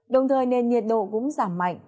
đồng thời nền nhiệt độ cũng giảm mạnh